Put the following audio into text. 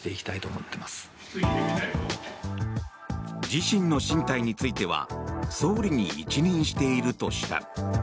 自身の進退については総理に一任しているとした。